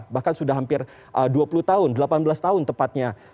bahkan sudah hampir dua puluh tahun delapan belas tahun tepatnya